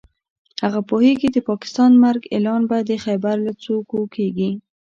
هغه پوهېږي د پاکستان د مرګ اعلان به د خېبر له څوکو کېږي.